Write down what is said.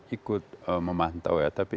ikut memantau ya tapi